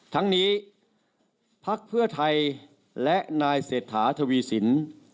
ทั้งนี้พักเพื่อไทยและนายเศรษฐาทวีสิน